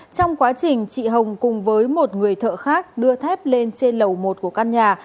trong quá trình chị hồng cùng với một người thợ khác đưa thép lên trên lầu một của căn nhà